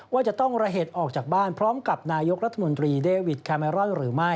ว่าจะต้องระเหตุออกจากบ้านพร้อมกับนายกรัฐมนตรีเดวิดแคเมรอนหรือไม่